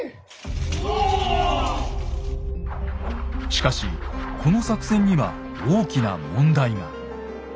しかしこの作戦には大きな問題が。